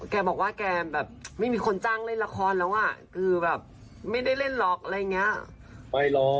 แกบอกว่าแกแบบไม่มีคนจ้างเล่นละครแล้วอ่ะคือแบบไม่ได้เล่นหรอกอะไรอย่างนี้